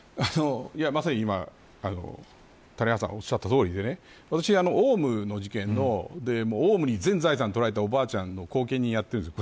まさに今、谷原さんがおっしゃったとおりで私は、オウムの事件でオウムに全財産を取られたおばあちゃんの後見人をやってるんです。